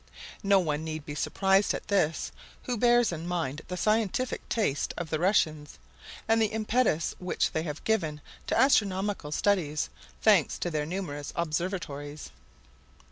No one need be surprised at this, who bears in mind the scientific taste of the Russians, and the impetus which they have given to astronomical studies—thanks to their numerous observatories.